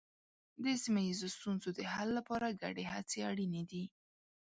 د سیمه ییزو ستونزو د حل لپاره ګډې هڅې اړینې دي.